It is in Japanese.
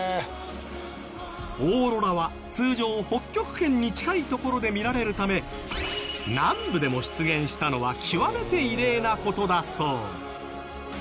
オーロラは通常北極圏に近い所で見られるため南部でも出現したのは極めて異例な事だそう。